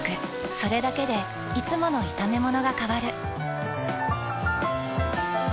それだけでいつもの炒めものが変わる。